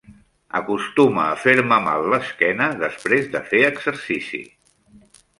Acostuma a fer-me mal l'esquena després de fer exercici.